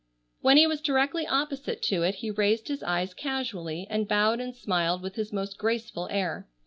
When he was directly opposite to it he raised his eyes casually and bowed and smiled with his most graceful air.